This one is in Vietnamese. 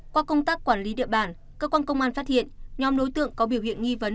qua công tác quản lý địa bàn cơ quan công an phát hiện nhóm đối tượng có biểu hiện nghi vấn